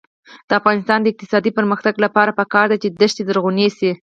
د افغانستان د اقتصادي پرمختګ لپاره پکار ده چې دښتي زرغونې شي.